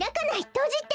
とじて！